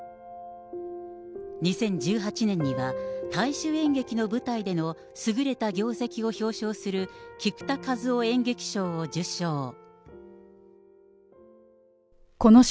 ２０１８年には、大衆演劇の舞台での優れた業績を表彰する菊田一夫演劇賞を受賞。